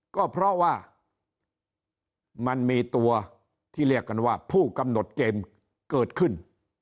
ก็เพราะว่ามันมีตัวที่เรียกกันว่าผู้กำหนดเกมเกิดขึ้น